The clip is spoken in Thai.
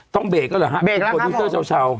ต้องเบรกก็เลยฮะโดยดูเซอร์ชาวนะครับ